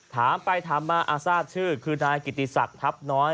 ถามไปถามมาทราบชื่อคือนายกิติศักดิ์ทัพน้อย